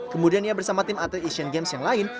kemudian ia bersama tim atlet asian games yang lain